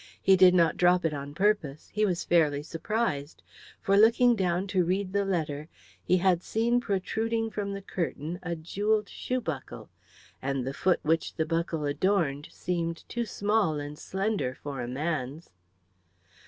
He did not drop it on purpose, he was fairly surprised; for looking down to read the letter he had seen protruding from the curtain a jewelled shoe buckle, and the foot which the buckle adorned seemed too small and slender for a man's.